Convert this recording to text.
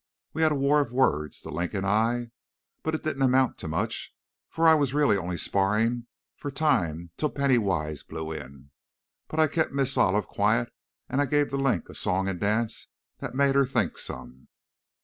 We had a war of words, 'The Link' and I, but it didn't amount to much, for I was really only sparring for time till Penny Wise blew in. But I kept Miss Olive quiet, and I gave 'The Link' a song and dance that made her think some!